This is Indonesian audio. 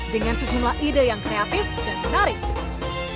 dengan sejumlah ide yang kreatif dan menarik